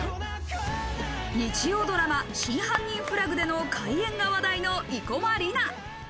日曜ドラマ『真犯人フラグ』での怪演が話題の生駒里奈。